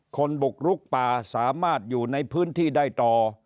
คนบุกลุกป่าสามารถอยู่ในพื้นที่ได้ต่อ